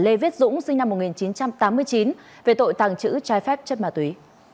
lê viết dũng sinh năm một nghìn chín trăm tám mươi chín về tội tàng trữ trái phép chất ma túy